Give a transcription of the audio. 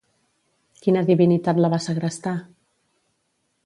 Quina divinitat la va segrestar?